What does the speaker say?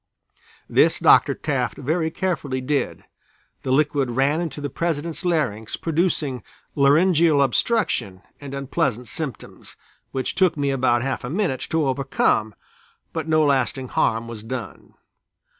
This Dr. Taft very carefully did, the liquid ran into the President's larynx producing laryngeal obstruction and unpleasant symptoms, which took me about half a minute to overcome, but no lasting harm was done.